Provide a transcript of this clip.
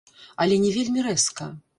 Але не вельмі рэзка.